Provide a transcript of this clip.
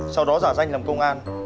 sau đó giả danh làm công an